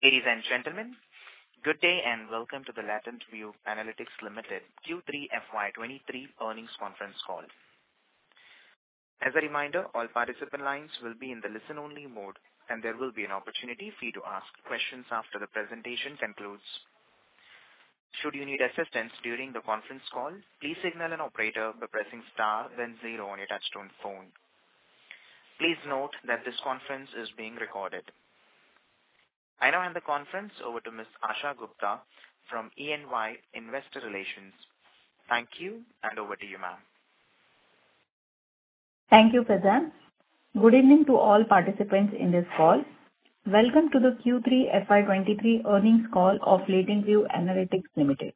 Ladies and gentlemen, good day and welcome to the LatentView Analytics Limited Q3 FY 2023 earnings conference call. As a reminder, all participant lines will be in the listen-only mode, and there will be an opportunity for you to ask questions after the presentation concludes. Should you need assistance during the conference call, please signal an operator by pressing star then zero on your touchtone phone. Please note that this conference is being recorded. I now hand the conference over to Ms. Asha Gupta from E&Y Investor Relations. Thank you, and over to you, ma'am. Thank you, Pradam. Good evening to all participants in this call. Welcome to the Q3 FY 2023 earnings call of LatentView Analytics Limited.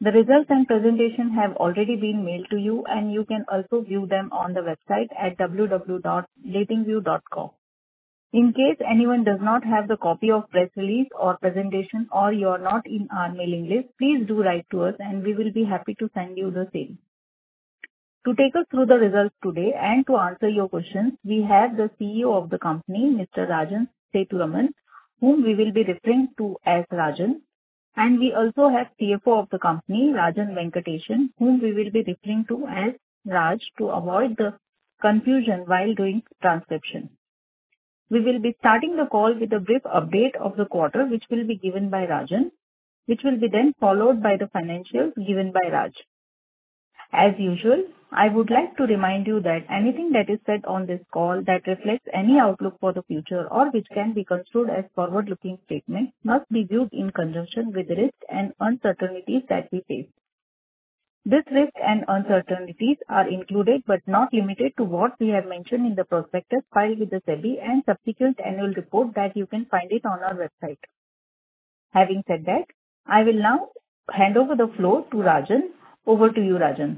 The results and presentation have already been mailed to you, and you can also view them on the website at www.latentview.com. In case anyone does not have the copy of press release or presentation or you're not in our mailing list, please do write to us, and we will be happy to send you the same. To take us through the results today and to answer your questions, we have the CEO of the company, Mr. Rajan Sethuraman, whom we will be referring to as Rajan. We also have CFO of the company, Rajan Venkatesan, whom we will be referring to as Raj to avoid the confusion while doing transcription. We will be starting the call with a brief update of the quarter, which will be given by Rajan, which will be then followed by the financials given by Raj. As usual, I would like to remind you that anything that is said on this call that reflects any outlook for the future or which can be construed as forward-looking statements must be viewed in conjunction with the risks and uncertainties that we face. These risks and uncertainties are included, but not limited to what we have mentioned in the prospectus filed with the SEBI and subsequent annual report that you can find it on our website. Having said that, I will now hand over the floor to Rajan. Over to you, Rajan.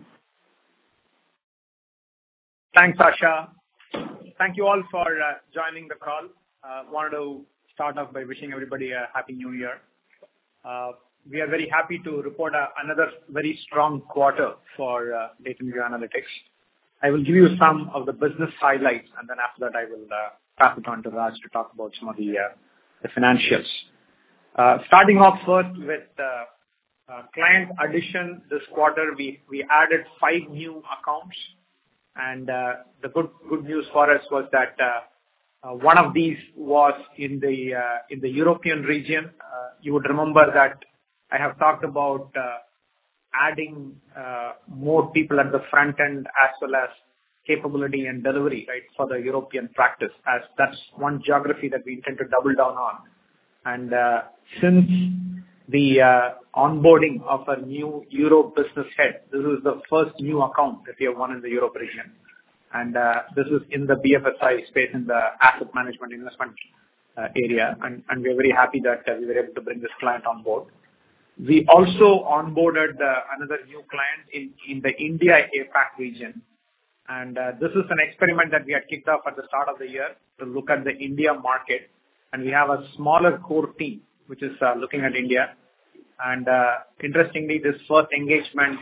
Thanks, Asha. Thank you all for joining the call. Wanted to start off by wishing everybody a Happy New Year. We are very happy to report another very strong quarter for LatentView Analytics. I will give you some of the business highlights. After that, I will pass it on to Raj to talk about some of the financials. Starting off first with the client addition this quarter. We added five new accounts. The good news for us was that one of these was in the European region. You would remember that I have talked about adding more people at the front end as well as capability and delivery, right, for the European practice. That's one geography that we intend to double down on. Since the onboarding of a new Europe business head, this is the first new account that we have won in the Europe region. This is in the BFSI space in the asset management investment area. We're very happy that we were able to bring this client on board. We also onboarded another new client in the India APAC region. This is an experiment that we had kicked off at the start of the year to look at the India market. We have a smaller core team which is looking at India. Interestingly, this first engagement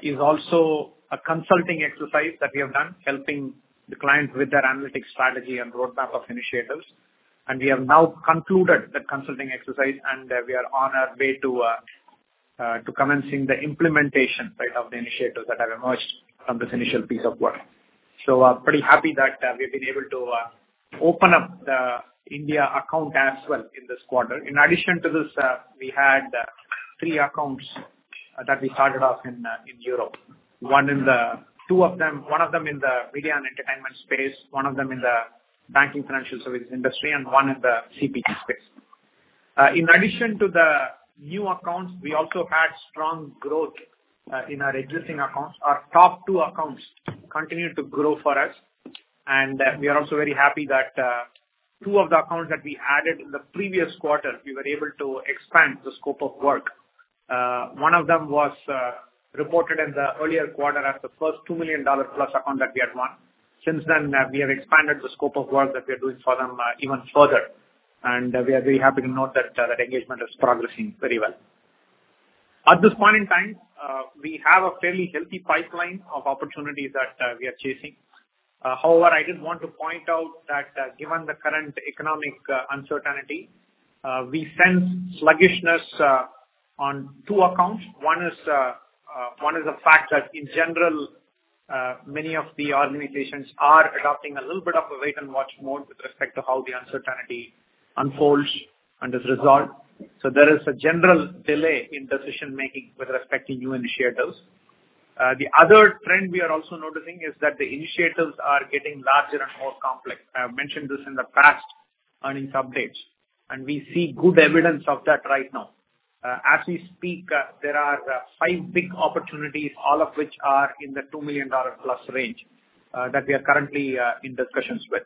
is also a consulting exercise that we have done helping the client with their analytics strategy and roadmap of initiatives. We have now concluded the consulting exercise, and we are on our way to commencing the implementation side of the initiatives that have emerged from this initial piece of work. I'm pretty happy that we've been able to open up the India account as well in this quarter. In addition to this, we had three accounts that we started off in Europe. One of them in the video and entertainment space, one of them in the banking financial services industry, and one in the CPG space. In addition to the new accounts, we also had strong growth in our existing accounts. Our top two accounts continued to grow for us. We are also very happy that two of the accounts that we added in the previous quarter, we were able to expand the scope of work. One of them was reported in the earlier quarter as the first $2 million-plus account that we had won. Since then, we have expanded the scope of work that we are doing for them even further. We are very happy to note that the engagement is progressing very well. At this point in time, we have a fairly healthy pipeline of opportunities that we are chasing. I just want to point out that given the current economic uncertainty, we sense sluggishness on two accounts. One is the fact that in general, many of the organizations are adopting a little bit of a wait-and-watch mode with respect to how the uncertainty unfolds and is resolved. There is a general delay in decision-making with respect to new initiatives. The other trend we are also noticing is that the initiatives are getting larger and more complex. I've mentioned this in the past earnings updates, and we see good evidence of that right now. As we speak, there are five big opportunities, all of which are in the $2 million-plus range, that we are currently in discussions with.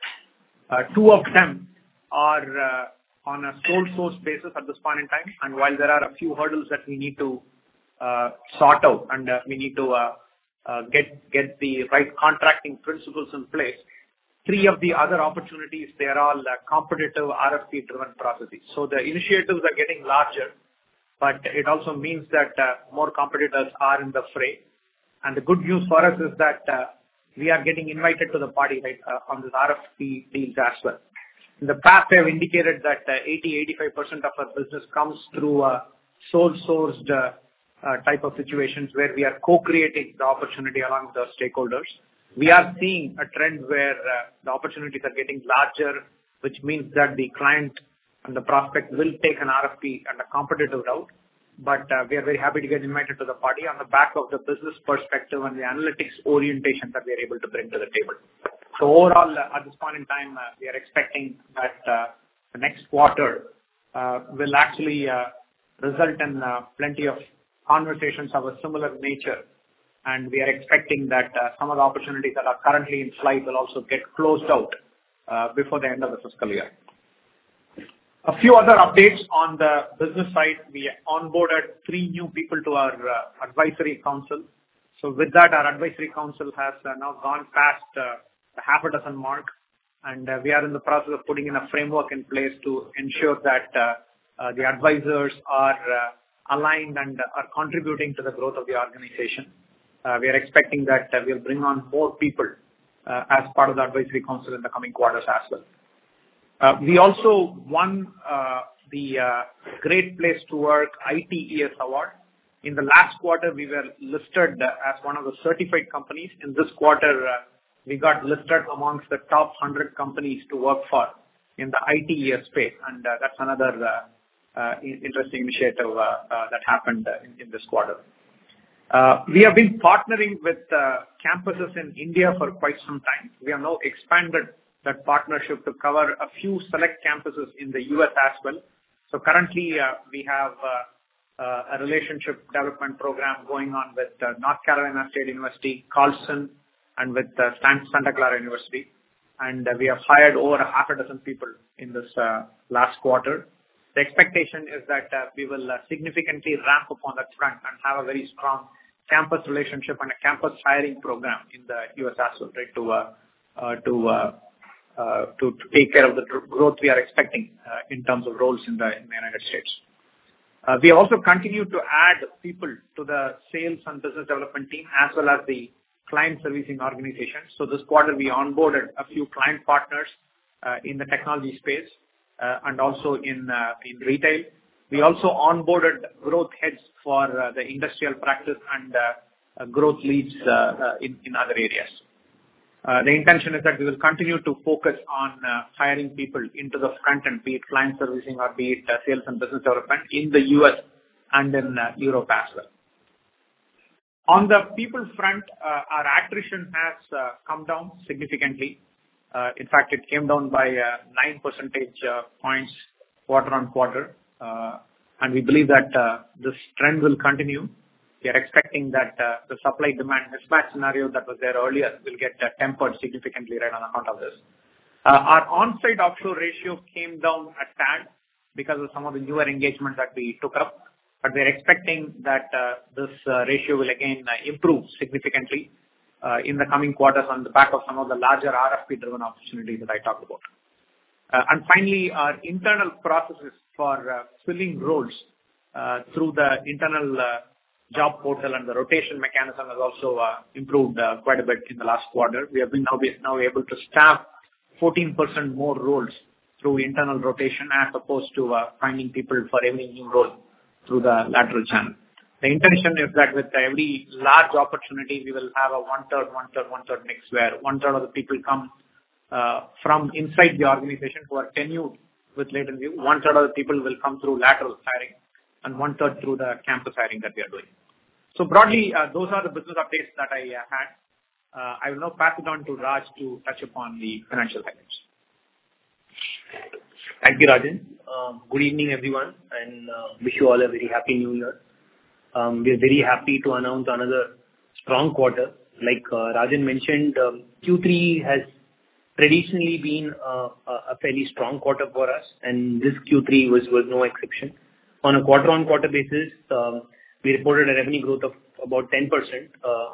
Two of them are on a sole source basis at this point in time. While there are a few hurdles that we need to sort out, and we need to get the right contracting principles in place, three of the other opportunities, they are all competitive RFP-driven processes. So the initiatives are getting larger. But it also means that more competitors are in the fray. The good news for us is that we are getting invited to the party, right, on these RFP deals as well. In the past, we have indicated that 80-85% of our business comes through a sole-sourced type of situations where we are co-creating the opportunity along with the stakeholders. We are seeing a trend where the opportunities are getting larger, which means that the client and the prospect will take an RFP and a competitive route. We are very happy to get invited to the party on the back of the business perspective and the analytics orientation that we are able to bring to the table. Overall, at this point in time, we are expecting that the next quarter will actually result in plenty of conversations of a similar nature, and we are expecting that some of the opportunities that are currently in flight will also get closed out before the end of the fiscal year. A few other updates on the business side. We onboarded three new people to our advisory council. With that, our advisory council has now gone past the half a dozen mark. We are in the process of putting in a framework in place to ensure that the advisors are aligned and are contributing to the growth of the organization. We are expecting that we will bring on more people as part of the advisory council in the coming quarters as well. We also won the Great Place to Work IT-ITeS Award. In the last quarter, we were listed as one of the certified companies. In this quarter, we got listed amongst the top 100 companies to work for in the IT-ITeS space. That's another interesting initiative that happened in this quarter. We have been partnering with campuses in India for quite some time. We have now expanded that partnership to cover a few select campuses in the U.S. as well. Currently, we have a relationship development program going on with North Carolina State University, Carlson, and with Santa Clara University. We have hired over a half a dozen people in this last quarter. The expectation is that we will significantly ramp up on that front and have a very strong campus relationship and a campus hiring program in the US as well, right, to take care of the growth we are expecting in terms of roles in the United States. We also continue to add people to the sales and business development team, as well as the client servicing organization. This quarter we onboarded a few client partners in the technology space and also in retail. We also onboarded growth heads for the industrial practice and growth leads in other areas. The intention is that we will continue to focus on hiring people into the front end, be it client servicing or be it sales and business development in the U.S. and in Europe as well. On the people front, our attrition has come down significantly. In fact, it came down by 9 percentage points quarter-on-quarter. We believe that this trend will continue. We are expecting that the supply-demand mismatch scenario that was there earlier will get tempered significantly right on account of this. Our onsite offshore ratio came down a tad because of some of the newer engagements that we took up. We are expecting that this ratio will again improve significantly in the coming quarters on the back of some of the larger RFP-driven opportunities that I talked about. Finally, our internal processes for filling roles through the internal job portal and the rotation mechanism has also improved quite a bit in the last quarter. We have been now able to staff 14% more roles through internal rotation as opposed to finding people for every new role through the lateral channel. The intention is that with every large opportunity, we will have a 1/3, 1/3, 1/3 mix where 1/3 of the people come from inside the organization who are tenured with LatentView, 1/3 of the people will come through lateral hiring, and 1/3 through the campus hiring that we are doing. Broadly, those are the business updates that I had. I will now pass it on to Raj to touch upon the financial highlights. Thank you, Rajan. Good evening, everyone, wish you all a very Happy New Year. We are very happy to announce another strong quarter. Like Rajan mentioned, Q3 has traditionally been a fairly strong quarter for us, and this Q3 was no exception. On a quarter-on-quarter basis, we reported a revenue growth of about 10%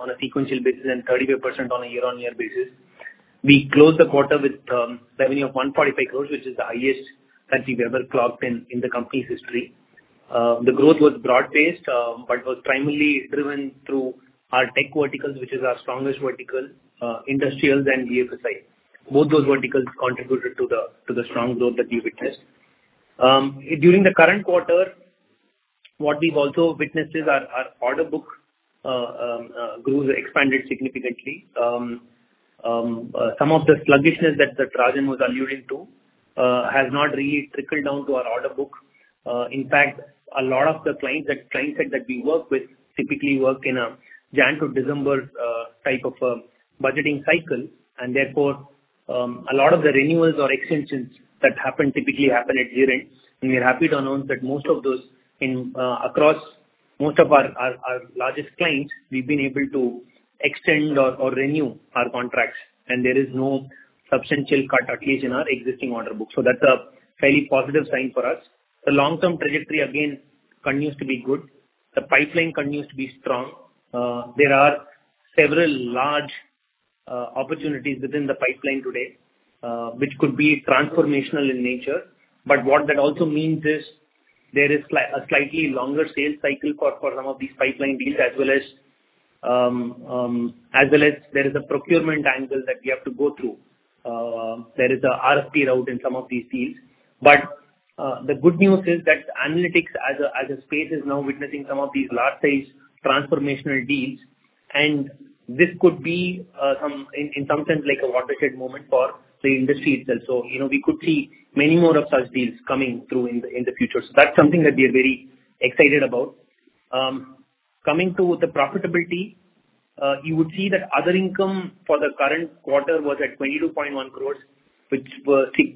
on a sequential basis and 35% on a year-on-year basis. We closed the quarter with revenue of 145 crores, which is the highest that we've ever clocked in the company's history. The growth was broad-based, but was primarily driven through our tech verticals, which is our strongest vertical, industrials and BFSI. Both those verticals contributed to the strong growth that we witnessed. During the current quarter, what we've also witnessed is our order book expanded significantly. Some of the sluggishness that Rajan was alluding to has not really trickled down to our order book. In fact, a lot of the client set that we work with typically work in a Jan to December type of budgeting cycle, and therefore, a lot of the renewals or extensions that happen typically happen at year-end. We are happy to announce that most of those in across most of our largest clients, we've been able to extend or renew our contracts and there is no substantial cut, at least in our existing order book. That's a fairly positive sign for us. The long-term trajectory again continues to be good. The pipeline continues to be strong. There are several large opportunities within the pipeline today, which could be transformational in nature. What that also means is there is a slightly longer sales cycle for some of these pipeline deals, as well as there is a procurement angle that we have to go through. There is a RFP route in some of these deals. The good news is that analytics as a space is now witnessing some of these large size transformational deals, and this could be, in some sense, like a watershed moment for the industry itself. You know, we could see many more of such deals coming through in the future. That's something that we are very excited about. Coming to the profitability, you would see that other income for the current quarter was at 22.1 crores, which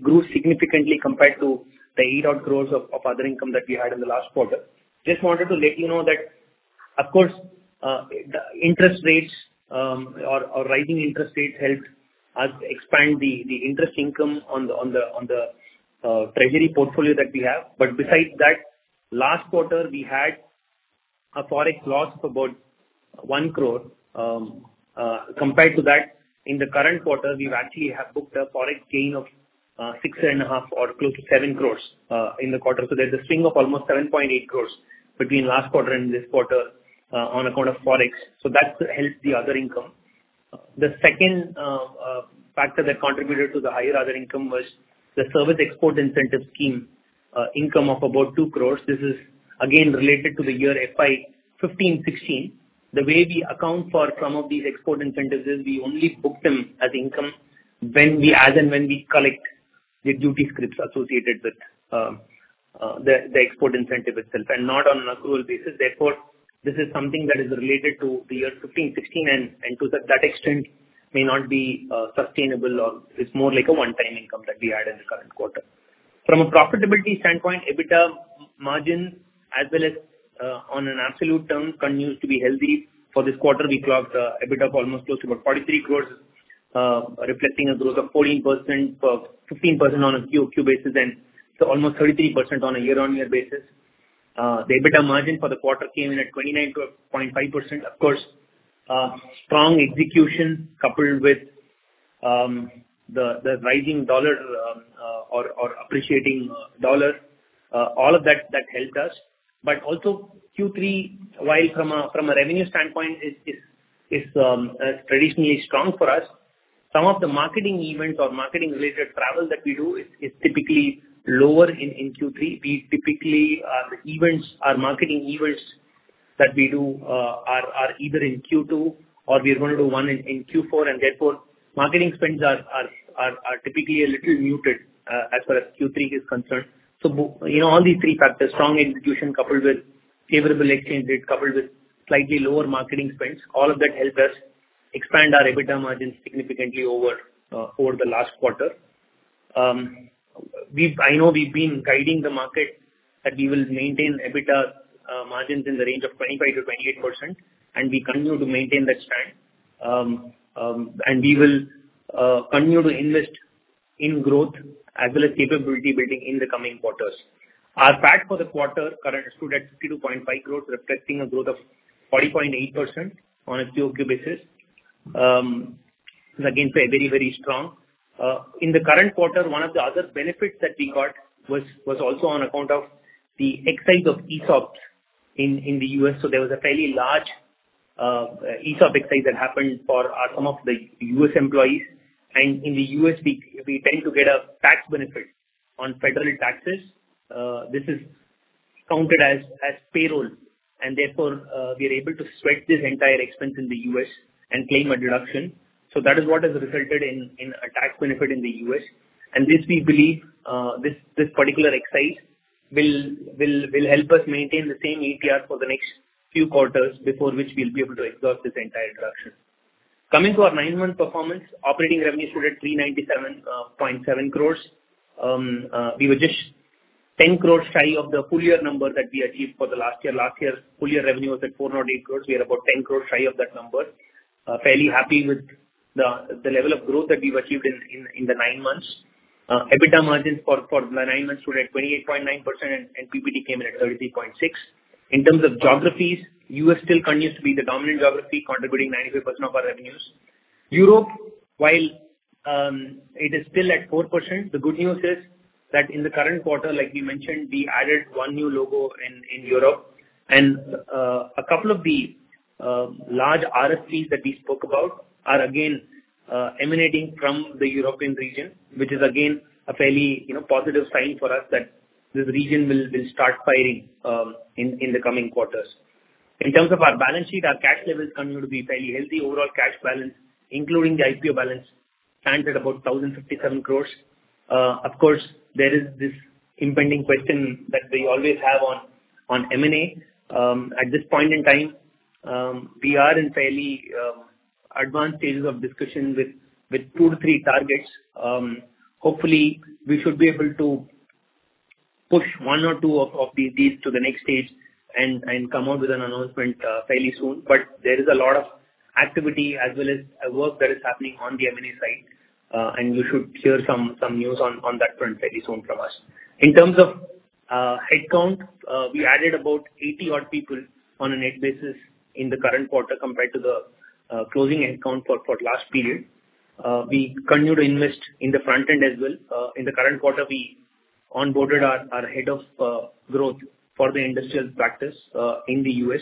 grew significantly compared to the 8 odd crores of other income that we had in the last quarter. Just wanted to let you know that, of course, the interest rates, or rising interest rates helped us expand the interest income on the treasury portfolio that we have. Besides that, last quarter we had a Forex loss of about 1 crore. Compared to that, in the current quarter, we've actually have booked a Forex gain of 6.5 or close to 7 crores in the quarter. There's a swing of almost 7.8 crores between last quarter and this quarter on account of Forex. That's helped the other income. The second factor that contributed to the higher other income was the Service Exports from India Scheme income of about 2 crores. This is again related to the year FY 2015-2016. The way we account for some of these export incentives is we only book them as income as and when we collect the Duty Scrips associated with the export incentive itself and not on an accrual basis. Therefore, this is something that is related to the year 15-16 and to that extent may not be sustainable or it's more like a one-time income that we had in the current quarter. From a profitability standpoint, EBITDA margin as well as on an absolute term continues to be healthy. For this quarter, we clocked a EBITDA of almost close to about 43 crores, reflecting a growth of 14%, 15% on a Q-over-Q basis, and almost 33% on a year-on-year basis. The EBITDA margin for the quarter came in at 29.5%. Of course, strong execution coupled with the rising dollar or appreciating dollar, all of that helped us. Also Q3, while from a revenue standpoint is traditionally strong for us, some of the marketing events or marketing related travel that we do is typically lower in Q3. We typically, events are marketing events that we do, are either in Q2 or we're gonna do one in Q4, therefore marketing spends are typically a little muted as far as Q3 is concerned. You know, all these three factors, strong institution coupled with favorable exchange rates, coupled with slightly lower marketing spends, all of that helped us expand our EBITDA margins significantly over the last quarter. I know we've been guiding the market that we will maintain EBITDA margins in the range of 25%-28%, we continue to maintain that stand. We will continue to invest in growth as well as capability building in the coming quarters. Our PAT for the quarter stood at 52.5 crores, reflecting a growth of 40.8% on a QOQ basis. Again, very, very strong. In the current quarter, one of the other benefits that we got was also on account of the excise of ESOPs in the U.S. There was a fairly large ESOP excise that happened for some of the U.S. employees. In the U.S., we tend to get a tax benefit on federal taxes. This is counted as payroll and therefore, we are able to sweat this entire expense in the U.S. and claim a deduction. That is what has resulted in a tax benefit in the U.S. This we believe, this particular excise will help us maintain the same ATR for the next few quarters, before which we'll be able to exhaust this entire deduction. Coming to our nine-month performance, operating revenue stood at 397.7 crores. We were just 10 crores shy of the full year number that we achieved for the last year. Last year's full year revenue was at 408 crores. We are about 10 crores shy of that number. Fairly happy with the level of growth that we've achieved in the nine months. EBITDA margins for the nine months stood at 28.9%, and PBT came in at 33.6%. In terms of geographies, U.S. still continues to be the dominant geography, contributing 93% of our revenues. Europe, while it is still at 4%, the good news is that in the current quarter, like we mentioned, we added one new logo in Europe. A couple of the large RFPs that we spoke about are again emanating from the European region, which is again a fairly, you know, positive sign for us that this region will start firing in the coming quarters. In terms of our balance sheet, our cash levels continue to be fairly healthy. Overall cash balance, including the IPO balance, stands at about 1,057 crores. Of course, there is this impending question that we always have on M&A. At this point in time, we are in fairly advanced stages of discussions with two to three targets. Hopefully we should be able to push one or two of these deals to the next stage and come out with an announcement fairly soon. There is a lot of activity as well as work that is happening on the M&A side, and you should hear some news on that front fairly soon from us. Headcount, we added about 80 odd people on a net basis in the current quarter compared to the closing headcount for last period. We continue to invest in the front end as well. In the current quarter, we onboarded our head of growth for the industrial practice in the U.S.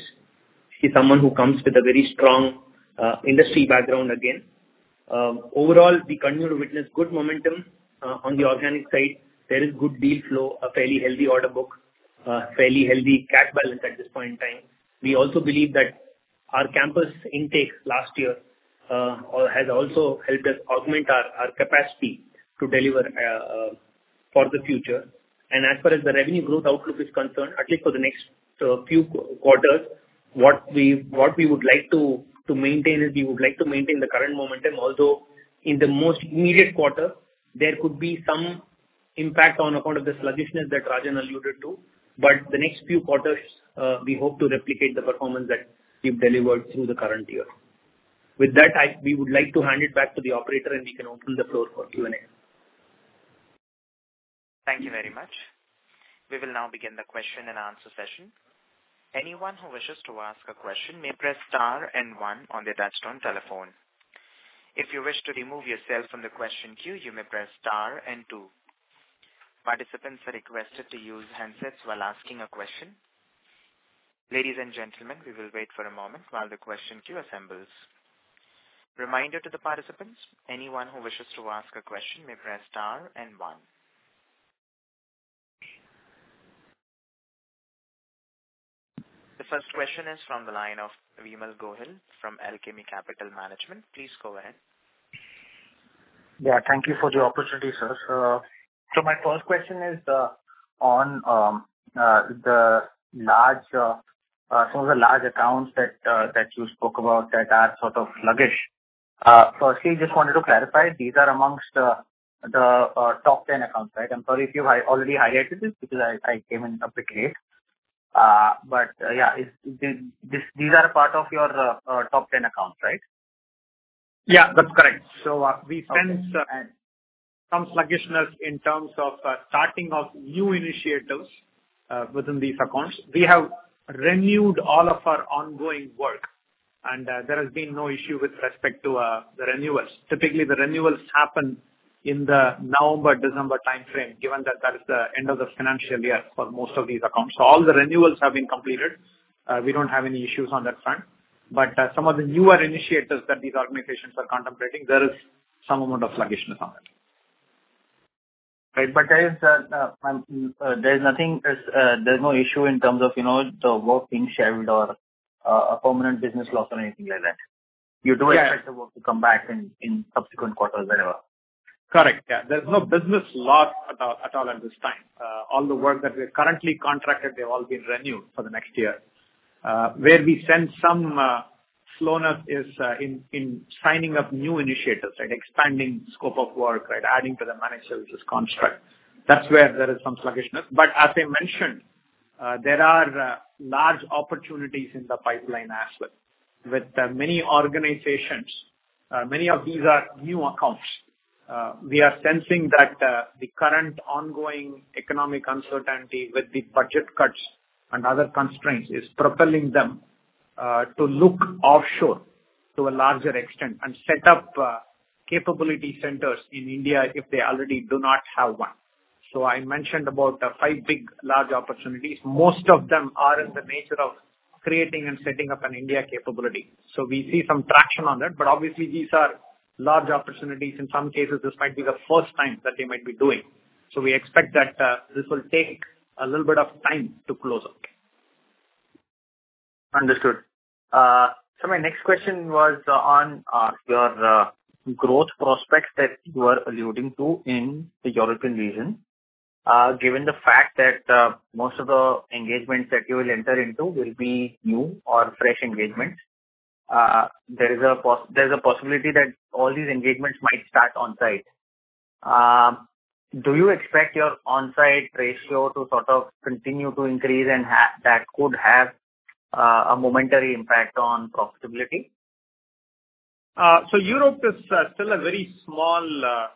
He's someone who comes with a very strong industry background again. Overall, we continue to witness good momentum on the organic side. There is good deal flow, a fairly healthy order book, fairly healthy cash balance at this point in time. We also believe that our campus intake last year has also helped us augment our capacity to deliver for the future. As far as the revenue growth outlook is concerned, at least for the next few quarters, what we would like to maintain is we would like to maintain the current momentum. Although in the most immediate quarter, there could be some impact on account of the sluggishness that Rajan alluded to. The next few quarters, we hope to replicate the performance that we've delivered through the current year. With that, we would like to hand it back to the operator, and we can open the floor for Q&A. Thank you very much. We will now begin the question and answer session. Anyone who wishes to ask a question may press star and one on their touchtone telephone. If you wish to remove yourself from the question queue, you may press star and two. Participants are requested to use handsets while asking a question. Ladies and gentlemen, we will wait for a moment while the question queue assembles. Reminder to the participants, anyone who wishes to ask a question may press star and one. The first question is from the line of Vimal Gohil from Alchemy Capital Management. Please go ahead. Yeah. Thank you for the opportunity, sir. My first question is on some of the large accounts that you spoke about that are sort of sluggish. Firstly, just wanted to clarify, these are amongst the top 10 accounts, right? I'm sorry if you already highlighted this because I came in a bit late. Yeah, these are part of your top 10 accounts, right? Yeah, that's correct. We sense-. Okay. Some sluggishness in terms of starting of new initiatives within these accounts. We have renewed all of our ongoing work, and there has been no issue with respect to the renewals. Typically, the renewals happen in the November, December timeframe, given that that is the end of the financial year for most of these accounts. All the renewals have been completed. We don't have any issues on that front. Some of the newer initiatives that these organizations are contemplating, there is some amount of sluggishness on it. Right. There is no issue in terms of, you know, the work being shelved or a permanent business loss or anything like that. Yeah. You do expect the work to come back in subsequent quarters wherever. Correct. Yeah. There's no business loss at all at this time. All the work that we have currently contracted, they've all been renewed for the next year. Where we sense some slowness is in signing up new initiatives, right? Expanding scope of work, right? Adding to the managed services construct. That's where there is some sluggishness. As I mentioned, there are large opportunities in the pipeline as well with many organizations. Many of these are new accounts. We are sensing that the current ongoing economic uncertainty with the budget cuts and other constraints is propelling them to look offshore to a larger extent and set up capability centers in India if they already do not have one. I mentioned about the five big large opportunities. Most of them are in the nature of creating and setting up an India capability. We see some traction on that. Obviously these are large opportunities. In some cases, this might be the first time that they might be doing. We expect that this will take a little bit of time to close out. Understood. My next question was on your growth prospects that you are alluding to in the European region. Given the fact that most of the engagements that you will enter into will be new or fresh engagements, there's a possibility that all these engagements might start on-site. Do you expect your on-site ratio to sort of continue to increase and that could have a momentary impact on profitability? So Europe is still a very small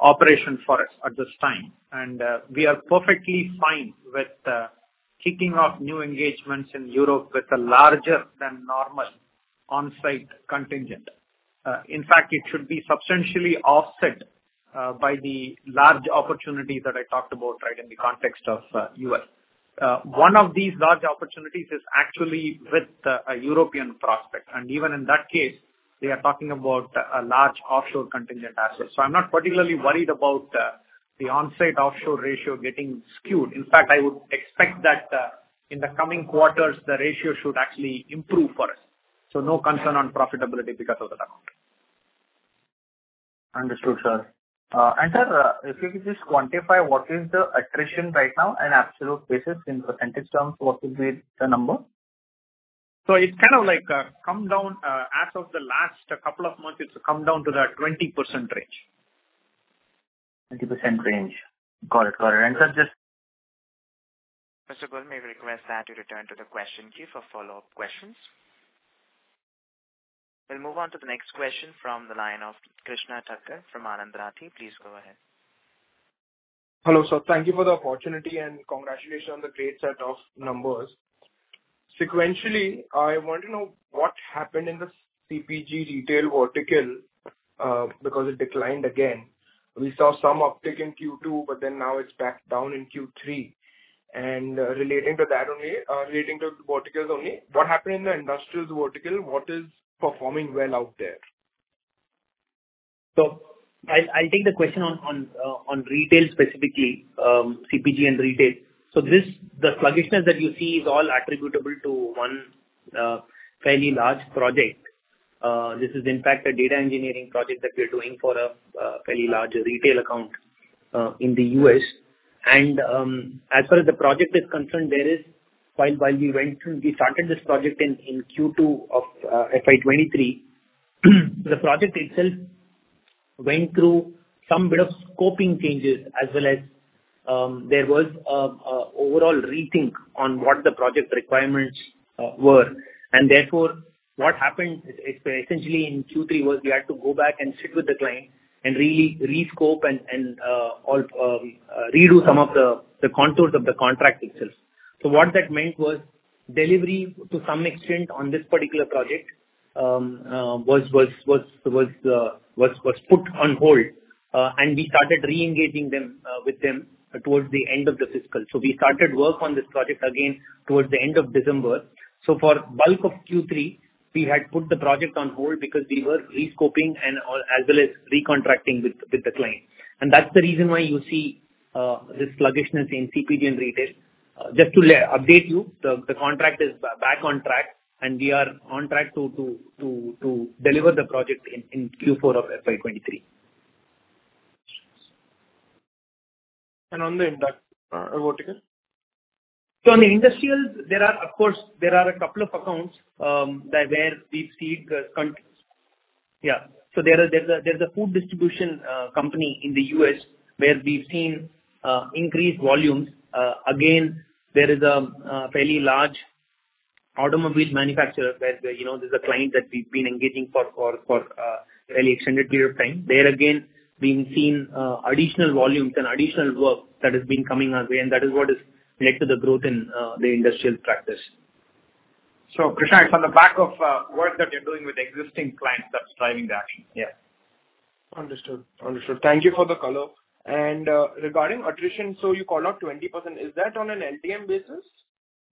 operation for us at this time. We are perfectly fine with kicking off new engagements in Europe with a larger than normal on-site contingent. In fact, it should be substantially offset by the large opportunities that I talked about right, in the context of U.S. One of these large opportunities is actually with a European prospect, and even in that case, we are talking about a large offshore contingent asset. I'm not particularly worried about the on-site offshore ratio getting skewed. In fact, I would expect that in the coming quarters, the ratio should actually improve for us. No concern on profitability because of that account. Understood, sir. If you could just quantify what is the attrition right now in absolute basis in percentage terms, what will be the number? It's kind of like, come down, as of the last couple of months, it's come down to the 20% range. 20% range. Got it. Got it. Sir? Mr. Gohil, may I request that you return to the question queue for follow-up questions? We'll move on to the next question from the line of Krishna Thakkar from Anand Rathi. Please go ahead. Hello, sir. Thank you for the opportunity, and congratulations on the great set of numbers. Sequentially, I want to know what happened in the CPG retail vertical, because it declined again. We saw some uptick in Q2, but then now it's back down in Q3. Relating to the verticals only, what happened in the industrials vertical? What is performing well out there? I'll take the question on retail specifically, CPG and retail. The sluggishness that you see is all attributable to one fairly large project. This is in fact a data engineering project that we're doing for a fairly large retail account in the U.S. As far as the project is concerned, we started this project in Q2 of FY 2023, the project itself went through some bit of scoping changes, as well as there was a overall rethink on what the project requirements were. Therefore, what happened essentially in Q3 was we had to go back and sit with the client and really rescope and or redo some of the contours of the contract itself. What that meant was delivery to some extent on this particular project was put on hold, and we started re-engaging them with them towards the end of the fiscal. We started work on this project again towards the end of December. For bulk of Q3, we had put the project on hold because we were rescoping and, or as well as recontracting with the client. That's the reason why you see this sluggishness in CPG and retail. Just to update you, the contract is back on track, and we are on track to deliver the project in Q4 of FY 2023. On the industrials, vertical? On the industrials, there are, of course, there are a couple of accounts that where we've seen. Yeah. There is, there's a food distribution company in the U.S. where we've seen increased volumes. Again, there is a fairly large automobile manufacturer where, you know, there's a client that we've been engaging for a fairly extended period of time. There again, we've seen additional volumes and additional work that has been coming our way, and that is what has led to the growth in the industrial practice. Krishna, it's on the back of work that you're doing with existing clients that's driving that. Yeah. Understood. Understood. Thank you for the color. Regarding attrition, you called out 20%. Is that on an LTM basis?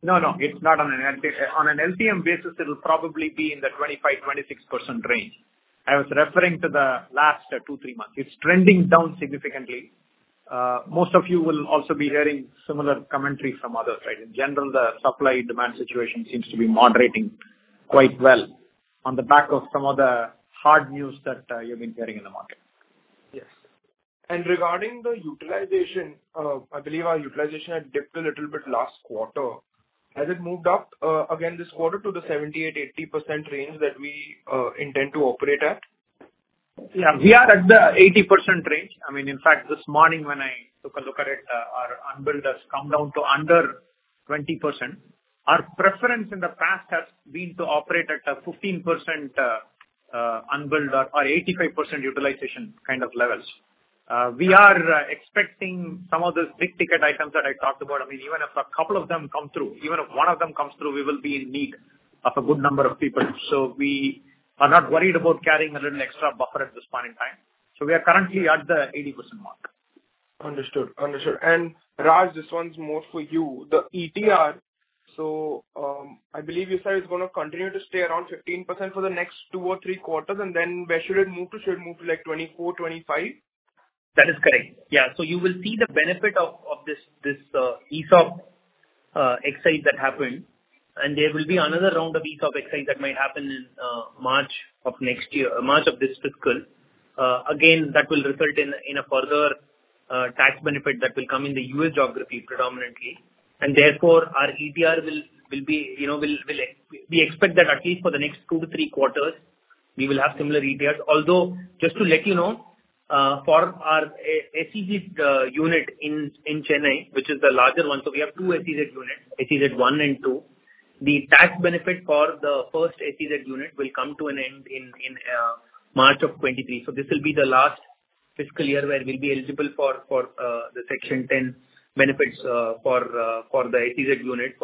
No, no, it's not on an LTM basis, it'll probably be in the 25%-26% range. I was referring to the last two to three months. It's trending down significantly. Most of you will also be hearing similar commentary from others, right? In general, the supply-demand situation seems to be moderating quite well on the back of some of the hard news that you've been hearing in the market. Yes. Regarding the utilization, I believe our utilization had dipped a little bit last quarter. Has it moved up again this quarter to the 70%-80% range that we intend to operate at? We are at the 80% range. I mean, in fact, this morning when I took a look at it, our unbilled has come down to under 20%. Our preference in the past has been to operate at a 15% unbilled or 85% utilization kind of levels. We are expecting some of those big-ticket items that I talked about. I mean, even if a couple of them come through, even if one of them comes through, we will be in need of a good number of people. We are not worried about carrying a little extra buffer at this point in time. We are currently at the 80% mark. Understood. Understood. Raj, this one's more for you. The ETR. I believe you said it's gonna continue to stay around 15% for the next two or three quarters, then where should it move to? Should it move to like 24, 25? That is correct. You will see the benefit of this ESOP excise that happened. There will be another round of ESOP excise that might happen in March of next year, March of this fiscal. Again, that will result in a further tax benefit that will come in the U.S. geography predominantly. Therefore our ETR will be, you know. We expect that at least for the next two to three quarters, we will have similar ETRs. Although, just to let you know, for our SEZ unit in Chennai, which is the larger one, so we have two SEZ units, SEZ 1 and 2. The tax benefit for the first SEZ unit will come to an end in March of 2023. This will be the last fiscal year where we'll be eligible for the Section 10AA benefits for the SEZ unit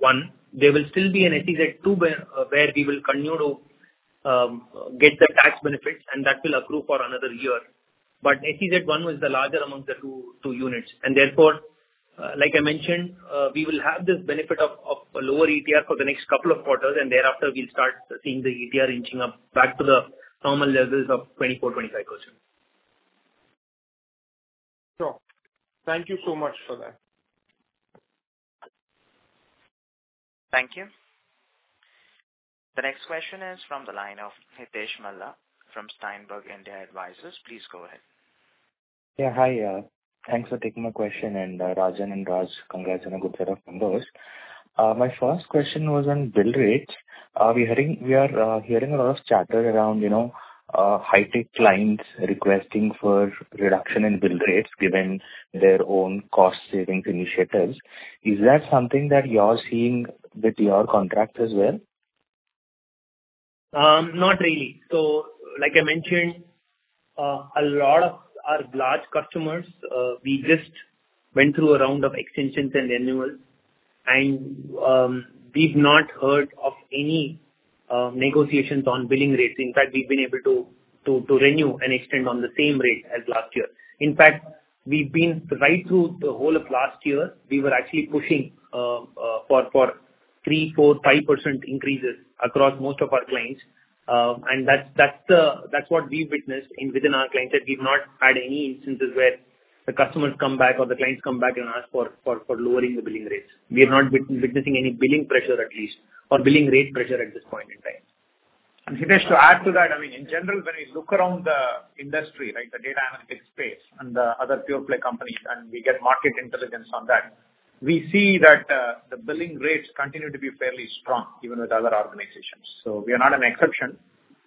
1. There will still be an SEZ 2 where we will continue to get the tax benefits, and that will accrue for another year. SEZ 1 was the larger among the two units. Therefore, like I mentioned, we will have this benefit of a lower ETR for the next couple of quarters, and thereafter we'll start seeing the ETR inching up back to the normal levels of 24%-25%. Sure. Thank you so much for that. Thank you. The next question is from the line of Hitesh Matlani from Steermount India Advisors. Please go ahead. Yeah, hi. Thanks for taking my question. Rajan and Raj, congrats on a good set of numbers. My first question was on bill rates. We are hearing a lot of chatter around, you know, high-tech clients requesting for reduction in bill rates given their own cost savings initiatives. Is that something that you're seeing with your contracts as well? Not really. Like I mentioned, a lot of our large customers, we just went through a round of extensions and renewals, and we've not heard of any negotiations on billing rates. In fact, we've been able to renew and extend on the same rate as last year. In fact, we've been right through the whole of last year, we were actually pushing for 3%, 4%, 5% increases across most of our clients. That's what we've witnessed within our clients, that we've not had any instances where the customers come back or the clients come back and ask for lowering the billing rates. We are not witnessing any billing pressure at least or billing rate pressure at this point in time. Hitesh, to add to that, I mean, in general, when you look around the industry, right, the data analytics space and the other pure play companies, and we get market intelligence on that, we see that the billing rates continue to be fairly strong even with other organizations. We are not an exception.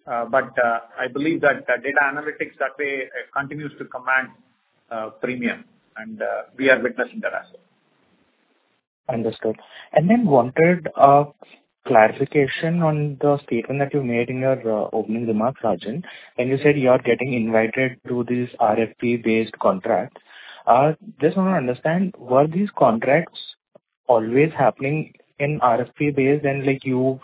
But I believe that the data analytics that way continues to command premium, and we are witnessing that as well. Understood. Wanted clarification on the statement that you made in your opening remarks, Rajan, when you said you are getting invited to these RFP-based contracts. Just wanna understand, were these contracts always happening in RFP base and, like, you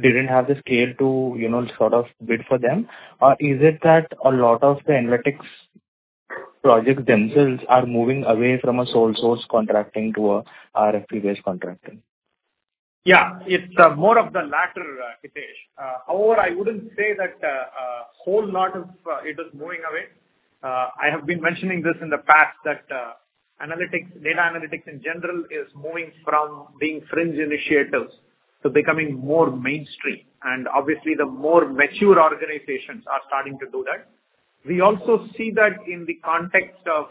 didn't have the scale to, you know, sort of bid for them? Or is it that a lot of the analytics projects themselves are moving away from a sole source contracting to a RFP-based contracting? Yeah. It's more of the latter, Hitesh. However, I wouldn't say that a whole lot of it is moving away. I have been mentioning this in the past that analytics, data analytics in general is moving from being fringe initiatives to becoming more mainstream. Obviously the more mature organizations are starting to do that. We also see that in the context of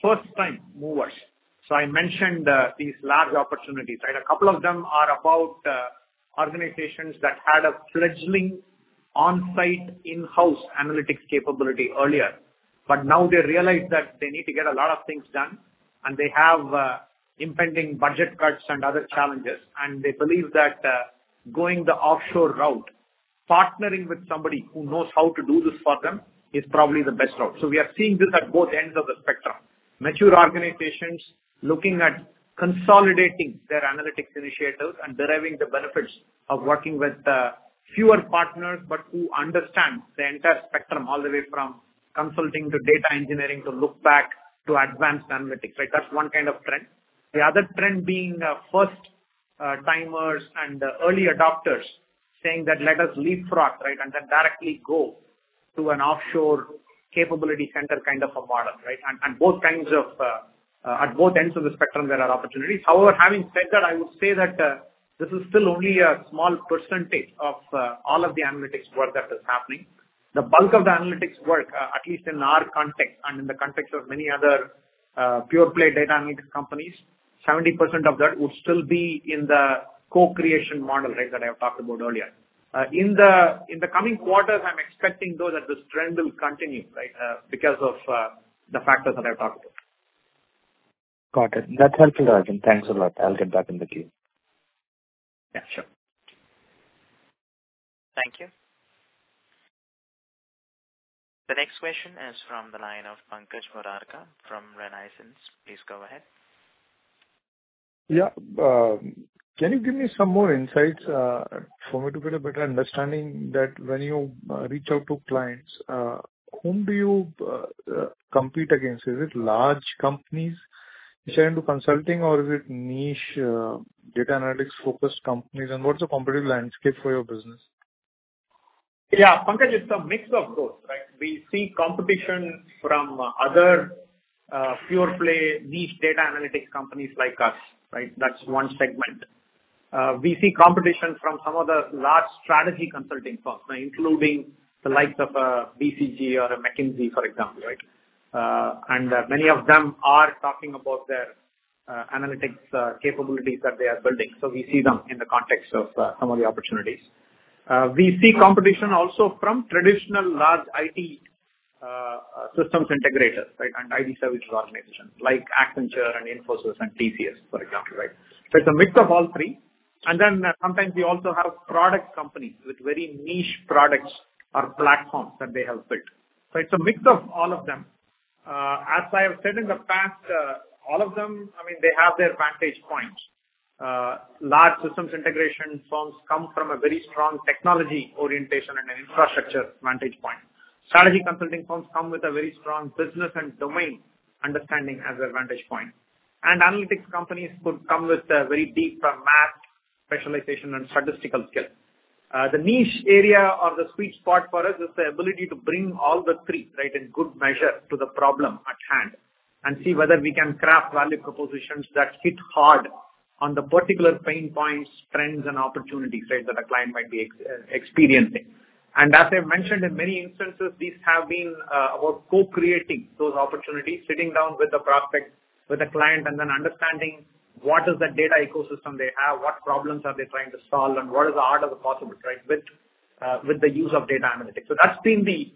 first time movers. I mentioned these large opportunities, right? A couple of them are about organizations that had a fledgling on-site, in-house analytics capability earlier, but now they realize that they need to get a lot of things done, and they have impending budget cuts and other challenges. They believe that, going the offshore route, partnering with somebody who knows how to do this for them is probably the best route. We are seeing this at both ends of the spectrum. Mature organizations looking at consolidating their analytics initiatives and deriving the benefits of working with fewer partners, but who understand the entire spectrum all the way from consulting to data engineering to look back to advanced analytics, right? That's one kind of trend. The other trend being, first, timers and early adopters saying that let us leapfrog, right, and then directly go to an offshore capability center kind of a model, right? Both kinds of, at both ends of the spectrum, there are opportunities. However, having said that, I would say that, this is still only a small percentage of all of the analytics work that is happening. The bulk of the analytics work, at least in our context and in the context of many other, pure play data analytics companies, 70% of that would still be in the co-creation model, right, that I have talked about earlier. In the coming quarters, I'm expecting though that this trend will continue, right, because of the factors that I've talked about. Got it. That's helpful, Rajan. Thanks a lot. I'll get back in the queue. Yeah, sure. Thank you. The next question is from the line of Pankaj Murarka from Renaissance. Please go ahead. Yeah. Can you give me some more insights for me to get a better understanding that when you reach out to clients, whom do you compete against? Is it large companies you sell into consulting or is it niche, data analytics-focused companies? What's the competitive landscape for your business? Pankaj, it's a mix of both, right? We see competition from other pure play niche data analytics companies like us, right? That's one segment. We see competition from some of the large strategy consulting firms, including the likes of BCG or McKinsey, for example, right? Many of them are talking about their analytics capabilities that they are building. We see them in the context of some of the opportunities. We see competition also from traditional large IT systems integrators, right, and IT services organizations like Accenture and Infosys and TCS, for example, right? It's a mix of all three. Sometimes we also have product companies with very niche products or platforms that they have built. It's a mix of all of them. As I have said in the past, all of them, I mean, they have their vantage points. Large systems integration firms come from a very strong technology orientation and an infrastructure vantage point. Strategy consulting firms come with a very strong business and domain understanding as their vantage point. Analytics companies could come with a very deep math specialization and statistical skill. The niche area or the sweet spot for us is the ability to bring all the three, right, in good measure to the problem at hand and see whether we can craft value propositions that hit hard on the particular pain points, trends, and opportunities, right, that a client might be experiencing. As I mentioned, in many instances these have been about co-creating those opportunities, sitting down with the prospect, with the client, and then understanding what is the data ecosystem they have, what problems are they trying to solve, and what is the art of the possible, right, with the use of data analytics. That's been the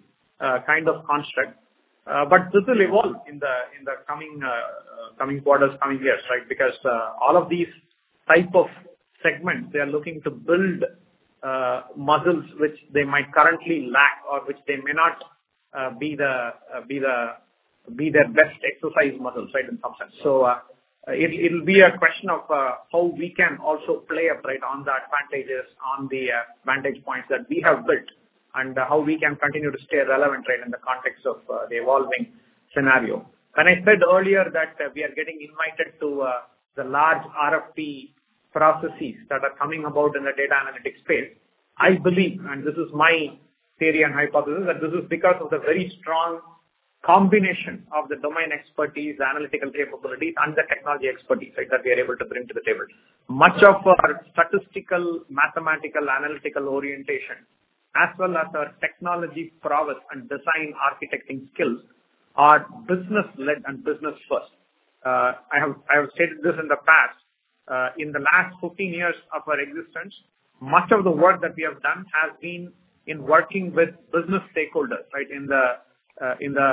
kind of construct. But this will evolve in the coming quarters, coming years, right? Because all of these type of segments, they are looking to build muscles which they might currently lack or which they may not be their best exercised muscles, right, in some sense. It'll be a question of how we can also play upright on the advantages, on the vantage points that we have built and how we can continue to stay relevant, right, in the context of the evolving scenario. When I said earlier that we are getting invited to the large RFP processes that are coming about in the data analytics space. I believe, and this is my theory and hypothesis, that this is because of the very strong combination of the domain expertise, analytical capabilities, and the technology expertise, right, that we are able to bring to the table. Much of our statistical, mathematical, analytical orientation, as well as our technology progress and design architecting skills are business-led and business-first. I have stated this in the past. In the last 15 years of our existence, much of the work that we have done has been in working with business stakeholders, right? In the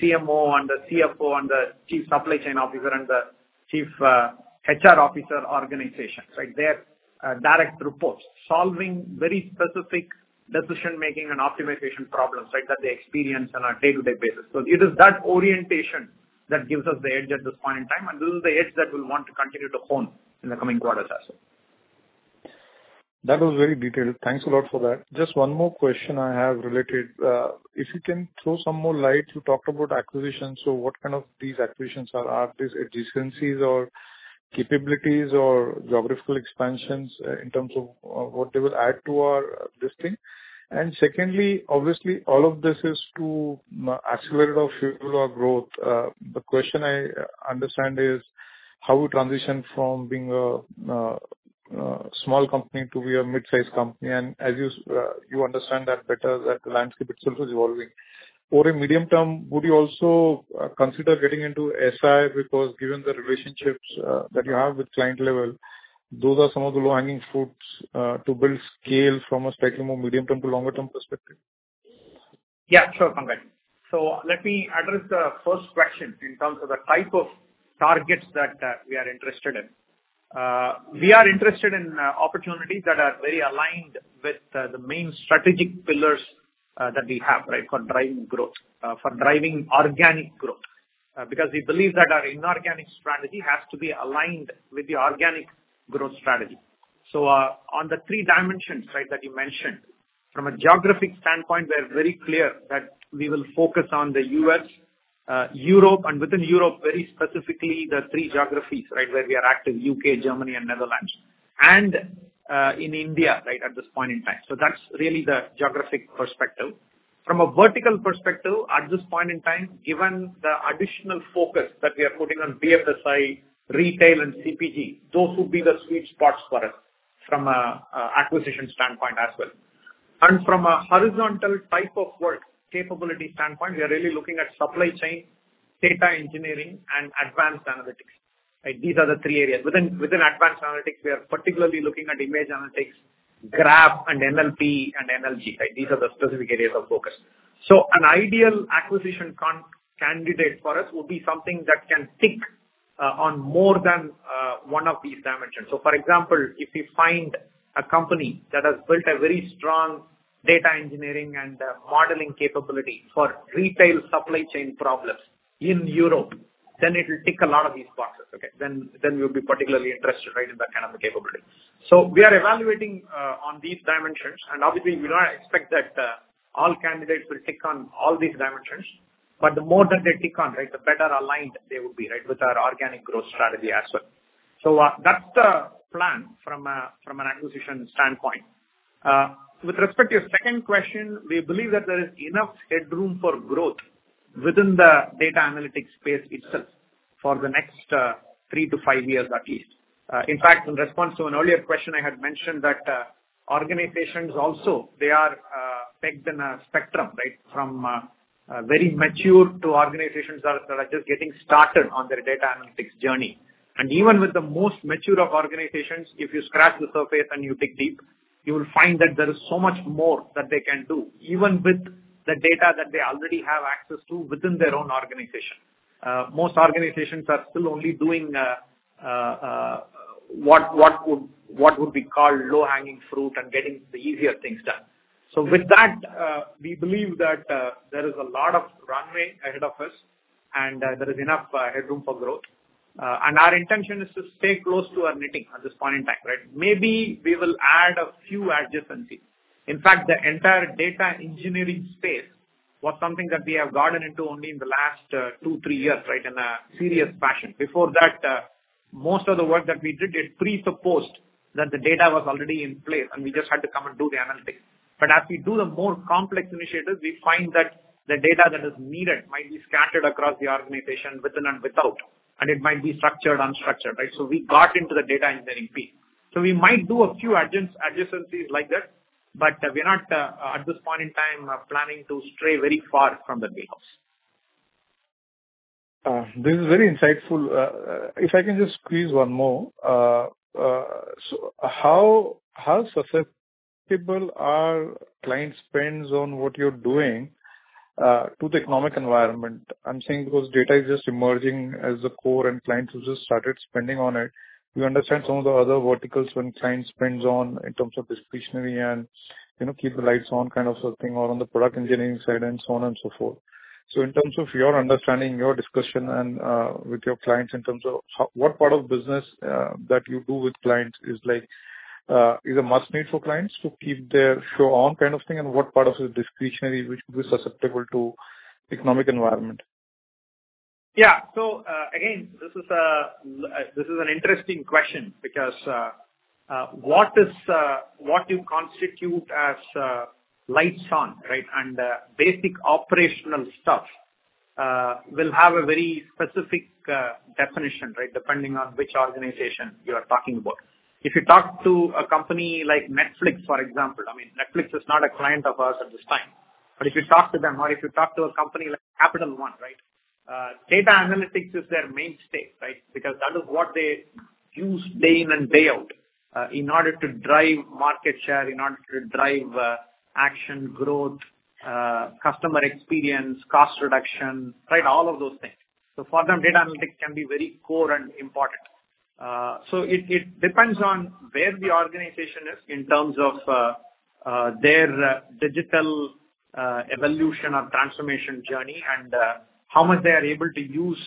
CMO and the CFO and the chief supply chain officer and the chief HR officer organizations, right? Their direct reports. Solving very specific decision-making and optimization problems, right, that they experience on a day-to-day basis. It is that orientation that gives us the edge at this point in time, and this is the edge that we'll want to continue to hone in the coming quarters also. iled. Thanks a lot for that. Just one more question I have related. If you can throw some more light, you talked about acquisitions, so what kind of these acquisitions are? Are these adjacencies or capabilities or geographical expansions in terms of what they will add to our listing? Secondly, obviously, all of this is to accelerate our future, our growth. The question I understand is how we transition from being a small company to be a mid-sized company. As you understand that better, the landscape itself is evolving. Over a medium term, would you also consider getting into SI? Because given the relationships that you have with client level, those are some of the low-hanging fruits to build scale from a spectrum of medium term to longer term perspective Sure, Pankaj. Let me address the first question in terms of the type of targets that we are interested in. We are interested in opportunities that are very aligned with the main strategic pillars that we have, right, for driving growth, for driving organic growth. Because we believe that our inorganic strategy has to be aligned with the organic growth strategy. On the three dimensions, right, that you mentioned. From a geographic standpoint, we're very clear that we will focus on the U.S., Europe, and within Europe, very specifically, the three geographies, right, where we are active, U.K., Germany and Netherlands, in India, right, at this point in time. That's really the geographic perspective. From a vertical perspective, at this point in time, given the additional focus that we are putting on BFSI, retail and CPG, those would be the sweet spots for us from an acquisition standpoint as well. From a horizontal type of work capability standpoint, we are really looking at supply chain, data engineering and advanced analytics. Right. These are the three areas. Within advanced analytics, we are particularly looking at image analytics, graph and NLP and NLG. Right. These are the specific areas of focus. An ideal acquisition candidate for us would be something that can tick on more than one of these dimensions. For example, if we find a company that has built a very strong data engineering and modeling capability for retail supply chain problems in Europe, then it'll tick a lot of these boxes. Okay. We'll be particularly interested, right, in that kind of a capability. We are evaluating on these dimensions, and obviously we do not expect that all candidates will tick on all these dimensions, but the more that they tick on, right, the better aligned they will be, right, with our organic growth strategy as well. That's the plan from an acquisition standpoint. With respect to your second question, we believe that there is enough headroom for growth within the data analytics space itself for the next three to five years at least. In fact, in response to an earlier question, I had mentioned that organizations also, they are pegged in a spectrum, right, from a very mature to organizations that are just getting started on their data analytics journey. Even with the most mature of organizations, if you scratch the surface and you dig deep, you will find that there is so much more that they can do, even with the data that they already have access to within their own organization. Most organizations are still only doing what would be called low-hanging fruit and getting the easier things done. With that, we believe that there is a lot of runway ahead of us and there is enough headroom for growth. Our intention is to stay close to our knitting at this point in time, right? Maybe we will add a few adjacencies. In fact, the entire data engineering space was something that we have gotten into only in the last two, three years, right, in a serious fashion. Before that, most of the work that we did, it presupposed that the data was already in place and we just had to come and do the analytics. As we do the more complex initiatives, we find that the data that is needed might be scattered across the organization within and without, and it might be structured, unstructured, right? We got into the data engineering piece. We might do a few adjacencies like that, but we're not at this point in time planning to stray very far from the base house. This is very insightful. If I can just squeeze one more. How People are client spends on what you're doing, to the economic environment? I'm saying because data is just emerging as the core and clients have just started spending on it. We understand some of the other verticals when clients spends on in terms of discretionary and, you know, keep the lights on kind of a thing or on the product engineering side and so on and so forth. In terms of your understanding, your discussion with your clients in terms of what part of business that you do with clients is like, is a must need for clients to keep their show on kind of thing, and what part of it is discretionary which could be susceptible to economic environment? Yeah. Again, this is an interesting question because what is what you constitute as lights on, right, and basic operational stuff, will have a very specific definition, right, depending on which organization you are talking about. If you talk to a company like Netflix, for example, I mean, Netflix is not a client of ours at this time. If you talk to them or if you talk to a company like Capital One, right, data analytics is their mainstay, right? That is what they use day in and day out, in order to drive market share, in order to drive action, growth, customer experience, cost reduction, right? All of those things. For them, data analytics can be very core and important. It depends on where the organization is in terms of their digital evolution or transformation journey and how much they are able to use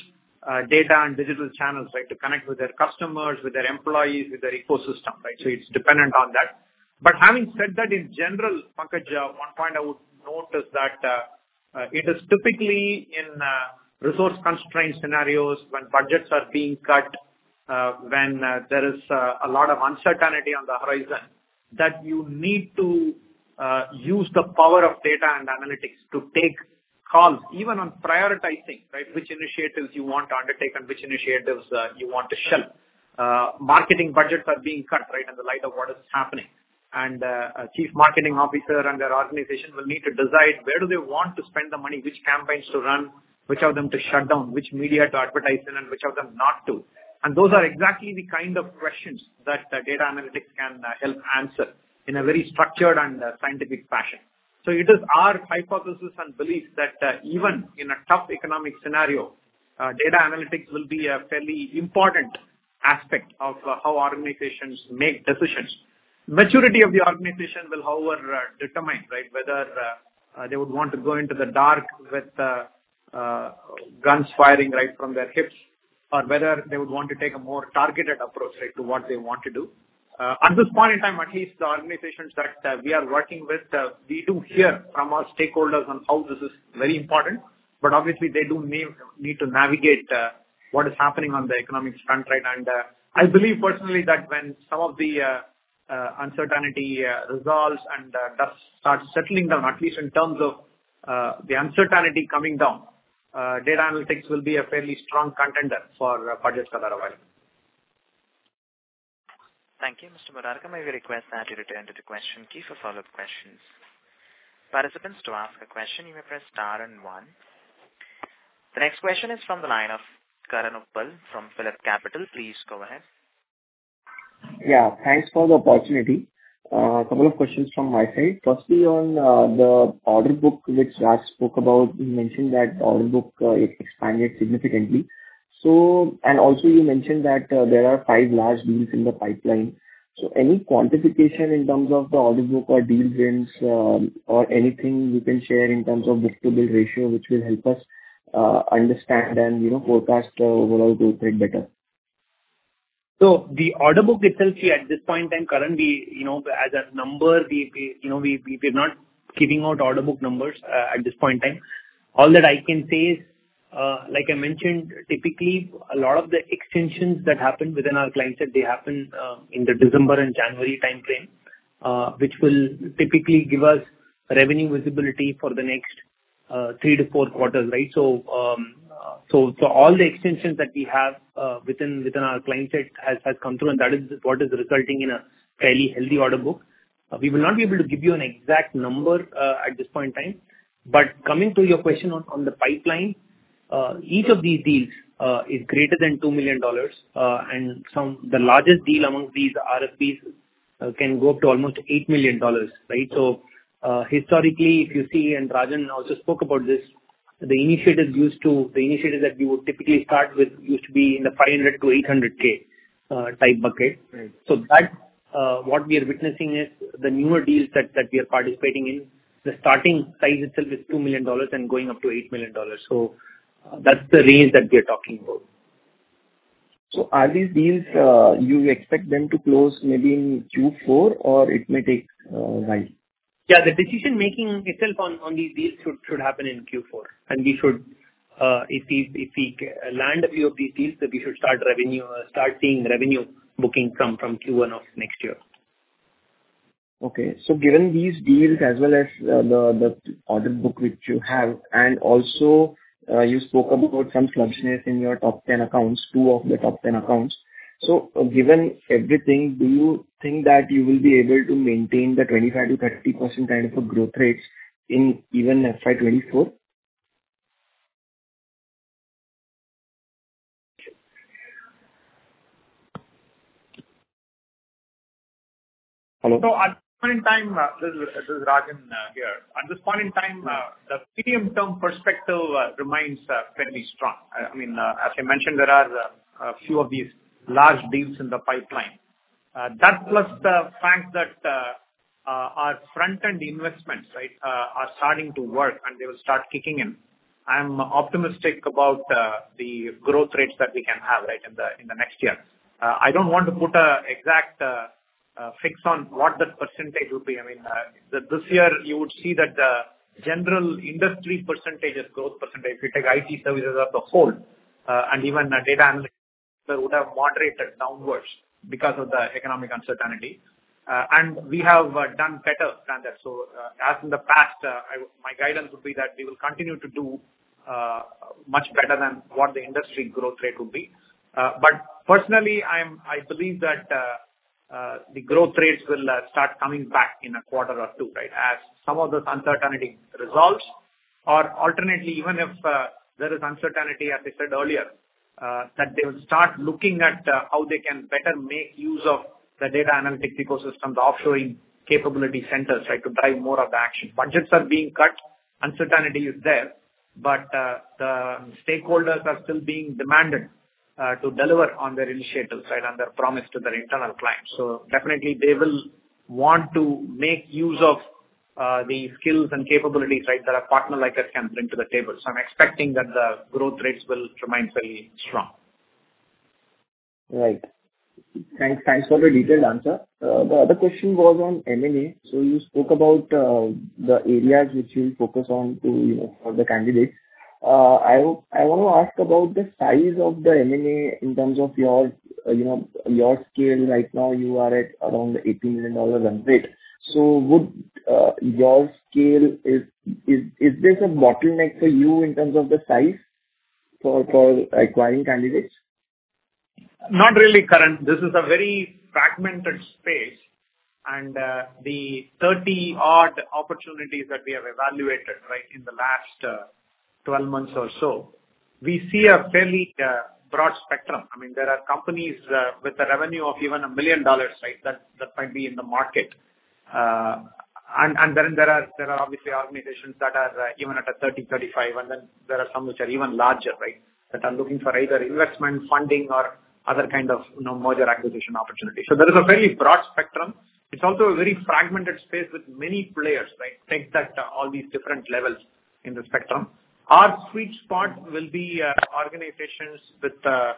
data and digital channels, right, to connect with their customers, with their employees, with their ecosystem, right? It's dependent on that. Having said that, in general, Pankaj, one point I would note is that it is typically in resource-constrained scenarios when budgets are being cut, when there is a lot of uncertainty on the horizon, that you need to use the power of data and analytics to take calls even on prioritizing, right, which initiatives you want to undertake and which initiatives you want to shelf. Marketing budgets are being cut, right, in the light of what is happening. A chief marketing officer and their organization will need to decide where do they want to spend the money, which campaigns to run, which of them to shut down, which media to advertise in, and which of them not to. Those are exactly the kind of questions that data analytics can help answer in a very structured and scientific fashion. It is our hypothesis and belief that even in a tough economic scenario, data analytics will be a fairly important aspect of how organizations make decisions. Maturity of the organization will, however, determine whether they would want to go into the dark with guns firing right from their hips or whether they would want to take a more targeted approach to what they want to do. At this point in time, at least the organizations that we are working with, we do hear from our stakeholders on how this is very important, but obviously they do need to navigate what is happening on the economic front, right? I believe personally that when some of the uncertainty resolves and dust starts settling down, at least in terms of the uncertainty coming down, data analytics will be a fairly strong contender for budgets that are available. Thank you. Mr. Murarka, we request that you return to the question key for follow-up questions. Participants, to ask a question, you may press star and one. The next question is from the line of Karan Uppal from PhillipCapital. Please go ahead. Yeah. Thanks for the opportunity. Two questions from my side. Firstly, on the order book which Raj spoke about, you mentioned that order book expanded significantly. You mentioned that there are five large deals in the pipeline. Any quantification in terms of the order book or deal wins, or anything you can share in terms of book-to-bill ratio, which will help us understand and, you know, forecast the overall growth rate better. The order book itself, see, at this point in time, Karan, we, you know, as a number, we, you know, we're not giving out order book numbers at this point in time. All that I can say is, like I mentioned, typically a lot of the extensions that happen within our client set, they happen in the December and January timeframe, which will typically give us revenue visibility for the next three to four quarters, right? All the extensions that we have within our client set has come through, and that is what is resulting in a fairly healthy order book. We will not be able to give you an exact number at this point in time. Coming to your question on the pipeline, each of these deals is greater than $2 million. The largest deal among these RFPs can go up to almost $8 million, right? Historically, if you see, and Rajan also spoke about this, the initiatives that we would typically start with used to be in the $500,000-$800,000 type bucket. Right. That, what we are witnessing is the newer deals that we are participating in, the starting size itself is $2 million and going up to $8 million. That's the range that we are talking about. Are these deals, you expect them to close maybe in Q4 or it may take a while? Yeah. The decision-making itself on these deals should happen in Q4. We should, if we land a few of these deals, then we should start revenue, start seeing revenue booking come from Q1 of next year. Given these deals as well as the order book which you have, and also, you spoke about some churniness in your top 10 accounts, 2 of the top 10 accounts. Given everything, do you think that you will be able to maintain the 25%-30% kind of a growth rates in even FY 2024? Hello. At this point in time, this is Rajan here. At this point in time, the medium-term perspective remains fairly strong. I mean, as I mentioned, there are a few of these large deals in the pipeline. That plus the fact that our front-end investments, right, are starting to work, and they will start kicking in. I'm optimistic about the growth rates that we can have, right, in the next year. I don't want to put a exact fix on what that percentage will be. I mean, this year you would see that general industry percentage is growth percentage. If you take IT services as a whole, and even data analytics would have moderated downwards because of the economic uncertainty. And we have done better than that. As in the past, my guidance would be that we will continue to do much better than what the industry growth rate would be. Personally, I believe that the growth rates will start coming back in a quarter or two, right, as some of this uncertainty resolves. Alternately, even if there is uncertainty, as I said earlier, that they will start looking at how they can better make use of the data analytic ecosystems, the offshoring capability centers, right, to drive more of the action. Budgets are being cut, uncertainty is there, the stakeholders are still being demanded to deliver on their initiatives, right, and their promise to their internal clients. Definitely they will want to make use of the skills and capabilities, right, that a partner like us can bring to the table. I'm expecting that the growth rates will remain fairly strong. Right. Thanks, thanks for the detailed answer. The other question was on M&A. You spoke about the areas which you'll focus on to, you know, for the candidates. I wanna ask about the size of the M&A in terms of your, you know, your scale. Right now you are at around $18 million run rate. Is this a bottleneck for you in terms of the size for acquiring candidates? Not really, Karan. This is a very fragmented space, and the 30-odd opportunities that we have evaluated, right, in the last 12 months or so, we see a fairly broad spectrum. I mean, there are companies with a revenue of even $1 million, right, that might be in the market. Then there are obviously organizations that are even at a $30 million, $35 million, and then there are some which are even larger, right, that are looking for either investment funding or other kind of, you know, merger acquisition opportunity. There is a fairly broad spectrum. It's also a very fragmented space with many players, right, thanks to all these different levels in the spectrum. Our sweet spot will be organizations with $5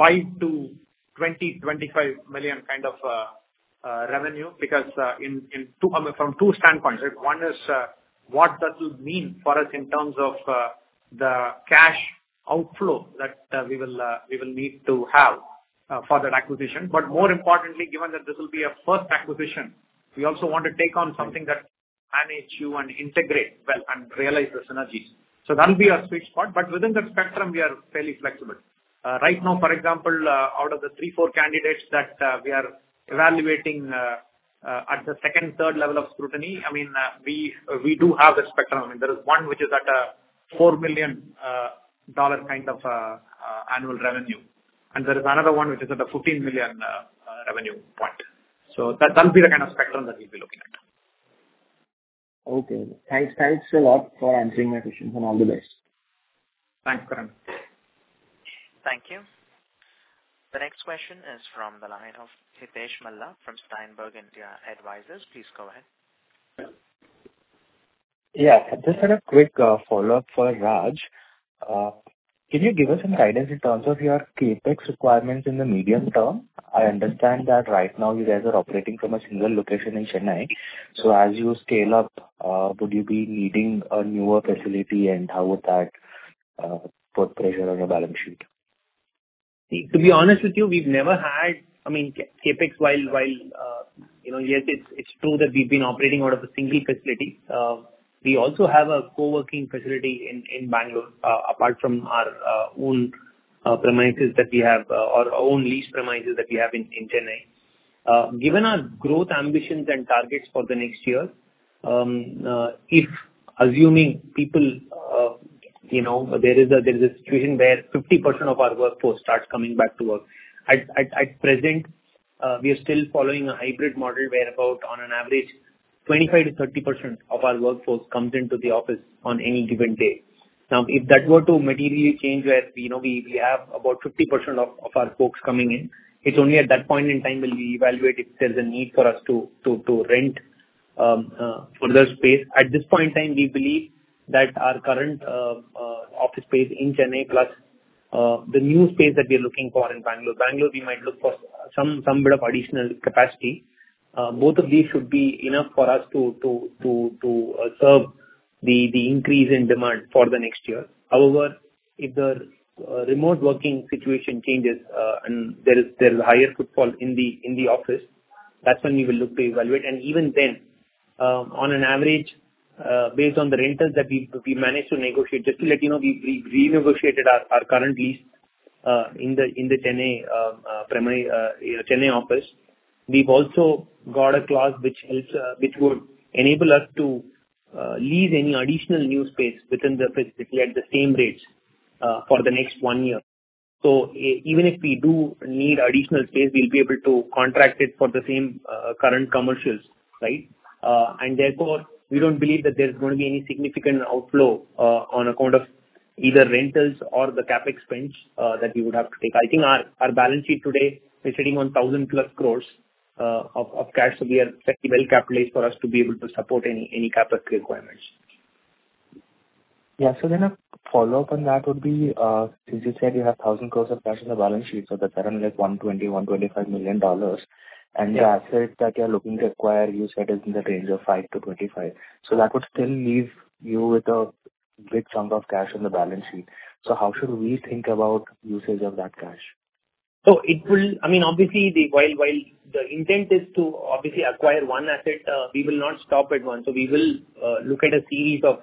million-$20 million, $25 million kind of revenue because in from two standpoints. One is, what that will mean for us in terms of the cash outflow that we will need to have for that acquisition. More importantly, given that this will be a first acquisition, we also want to take on something that manage you and integrate well and realize the synergies. That'll be our sweet spot. Within that spectrum, we are fairly flexible. Right now, for example, out of the three, four candidates that we are evaluating at the second, third level of scrutiny, I mean, we do have that spectrum. I mean, there is one which is at a $4 million kind of annual revenue, and there is another one which is at a $15 million revenue point. That'll be the kind of spectrum that we'll be looking at. Okay. Thanks a lot for answering my questions, and all the best. Thanks, Karan. Thank you. The next question is from the line of Hitesh Matlani from Steermount India Advisors. Please go ahead. Just had a quick follow-up for Raj. Can you give us some guidance in terms of your CapEx requirements in the medium term? I understand that right now you guys are operating from a single location in Chennai. As you scale up, would you be needing a newer facility, and how would that put pressure on your balance sheet? I mean, CapEx while, you know. Yes, it's true that we've been operating out of a single facility. We also have a co-working facility in Bangalore, apart from our own leased premises that we have in Chennai. Given our growth ambitions and targets for the next year, if assuming people, you know, there is a situation where 50% of our workforce starts coming back to work. At present, we are still following a hybrid model where about on an average 25%-30% of our workforce comes into the office on any given day. If that were to materially change where, you know, we have about 50% of our folks coming in, it's only at that point in time will we evaluate if there's a need for us to rent further space. At this point in time, we believe that our current office space in Chennai, plus the new space that we are looking for in Bangalore. Bangalore, we might look for some bit of additional capacity. Both of these should be enough for us to serve the increase in demand for the next year. However, if the remote working situation changes, and there's higher footfall in the office, that's when we will look to evaluate. Even then, on an average, based on the rentals that we managed to negotiate. Just to let you know, we renegotiated our current lease in the, in the Chennai primary, you know, Chennai office. We've also got a clause which helps, which will enable us to lease any additional new space within the facility at the same rates for the next one year. So even if we do need additional space, we'll be able to contract it for the same current commercials, right? Therefore, we don't believe that there's gonna be any significant outflow on account of either rentals or the CapEx spends that we would have to take. I think our balance sheet today is sitting on 1,000+ crores, of cash, so we are fairly well-capitalized for us to be able to support any CapEx requirements. Yeah. A follow-up on that would be, since you said you have 1,000 crores of cash on the balance sheet, so that's around, like, $120 million-$125 million. Yeah. The assets that you're looking to acquire, you said is in the range of $5 million-$25 million. That would still leave you with a good chunk of cash on the balance sheet. How should we think about usage of that cash? It wil, I mean, obviously, the while the intent is to obviously acquire one asset, we will not stop at one. We will look at a series of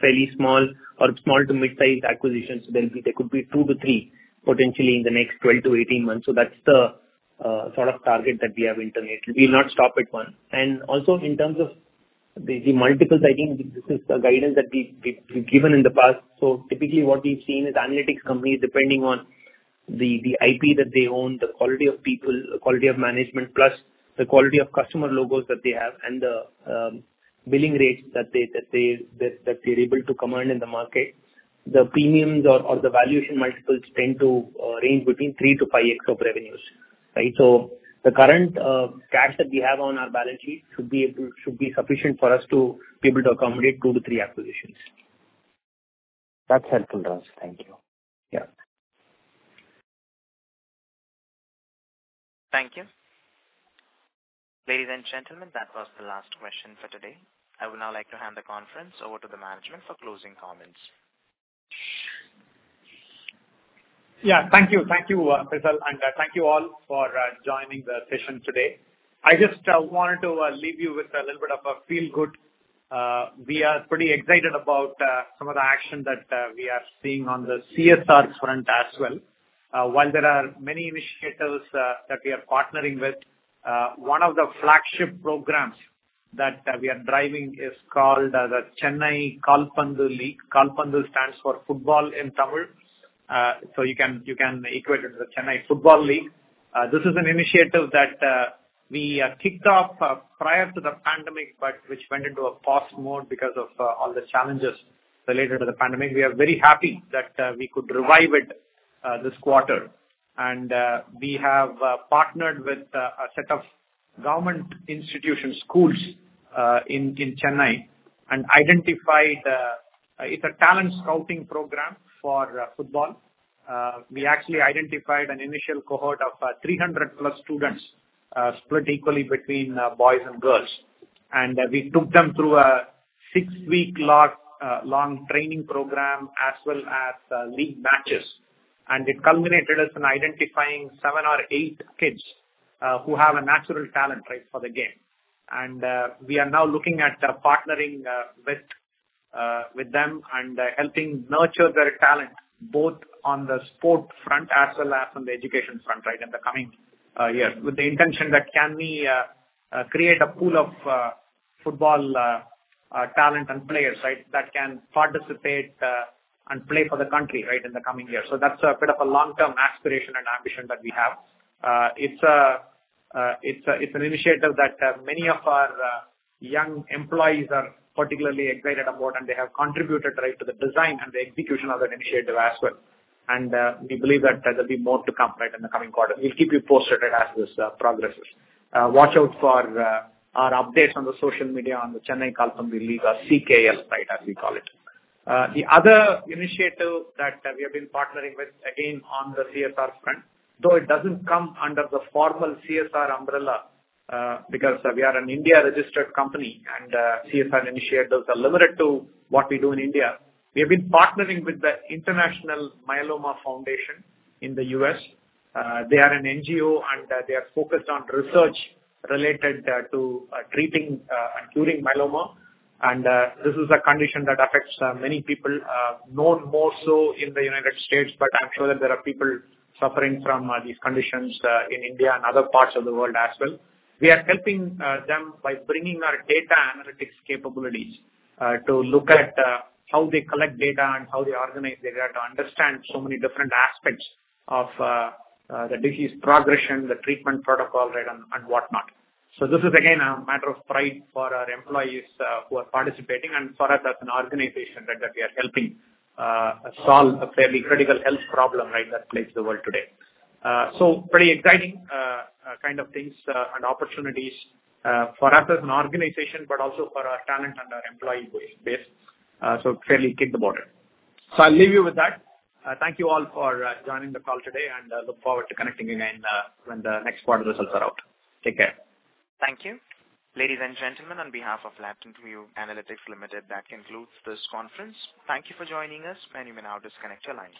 fairly small or small to midsize acquisitions. There could be two to three, potentially in the next 12 to 18 months. That's the sort of target that we have in turn. We'll not stop at one. Also, in terms of the multiples, I think this is a guidance that we've given in the past. Typically what we've seen is analytics companies, depending on the IP that they own, the quality of people, the quality of management, plus the quality of customer logos that they have and the billing rates that they're able to command in the market. The premiums or the valuation multiples tend to range between 3x-5x of revenues, right? The current cash that we have on our balance sheet should be sufficient for us to be able to accommodate two to three acquisitions. That's helpful, Raj. Thank you. Yeah. Thank you. Ladies and gentlemen, that was the last question for today. I would now like to hand the conference over to the management for closing comments. Yeah. Thank you. Thank you, Faizan, thank you all for joining the session today. I just wanted to leave you with a little bit of a feel-good. We are pretty excited about some of the action that we are seeing on the CSR front as well. While there are many initiatives that we are partnering with, one of the flagship programs that we are driving is called the Chennai Kaalpanthu League. Kaalpanthu stands for football in Tamil. You can equate it to the Chennai Football League. This is an initiative that we kicked off prior to the pandemic but which went into a pause mode because of all the challenges related to the pandemic. We are very happy that we could revive it this quarter. We have partnered with a set of government institutions, schools, in Chennai and identified. It's a talent scouting program for football. We actually identified an initial cohort of 300+ students, split equally between boys and girls. We took them through a six-week long training program as well as league matches. It culminated as in identifying seven or eight kids, who have a natural talent, right, for the game. We are now looking at partnering with them and helping nurture their talent both on the sport front as well as on the education front, right, in the coming years. With the intention that can we create a pool of football talent and players, right, that can participate and play for the country, right, in the coming years. That's a bit of a long-term aspiration and ambition that we have. It's an initiative that many of our young employees are particularly excited about, and they have contributed, right, to the design and the execution of that initiative as well. We believe that there'll be more to come, right, in the coming quarter. We'll keep you posted as this progresses. Watch out for our updates on the social media on the Chennai Kaalpanthu League or CKL, right, as we call it. The other initiative that we have been partnering with, again, on the CSR front, though it doesn't come under the formal CSR umbrella, because we are an India-registered company and CSR initiatives are limited to what we do in India. We have been partnering with the International Myeloma Foundation in the U.S. They are an NGO and they are focused on research related to treating and curing myeloma. This is a condition that affects many people, known more so in the United States, but I'm sure that there are people suffering from these conditions in India and other parts of the world as well. We are helping them by bringing our data analytics capabilities to look at how they collect data and how they organize data to understand so many different aspects of the disease progression, the treatment protocol, right, and whatnot. This is again a matter of pride for our employees who are participating and for us as an organization that we are helping solve a fairly critical health problem, right, that plagues the world today. Pretty exciting kind of things and opportunities for us as an organization, but also for our talent and our employee base. Fairly kicked about it. I'll leave you with that. Thank you all for joining the call today, and I look forward to connecting again when the next quarter results are out. Take care. Thank you. Ladies and gentlemen, on behalf LatentView Analytics Limited, that concludes this conference. Thank you for joining us, and you may now disconnect your lines.